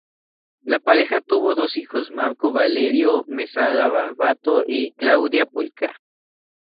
La pareja tuvo dos hijos: Marco Valerio Mesala Barbato y Claudia Pulcra.